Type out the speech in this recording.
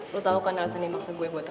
lo tau kan alasan dia maksa gue buat apa